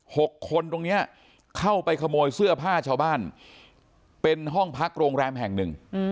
หกคนตรงเนี้ยเข้าไปขโมยเสื้อผ้าชาวบ้านเป็นห้องพักโรงแรมแห่งหนึ่ง